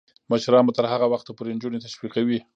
مشران به تر هغه وخته پورې نجونې تشویقوي.